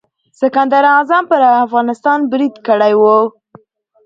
سکندر اعظم پر افغانستان برید کړی و.